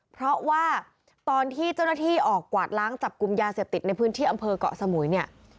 เพราะว่าตอนที่เจ้าหน้าที่ออกกวาดล้างจับกลุ่มยาเสพติดในพื้นที่อำเภอกเกาะสมุยเนี่ย